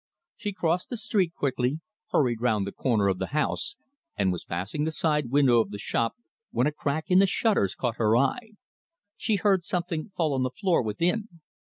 She crossed the street quickly, hurried round the corner of the house, and was passing the side window of the shop, when a crack in the shutters caught her eye. She heard something fall on the floor within.